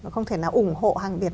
không thể nào ủng hộ hàng việt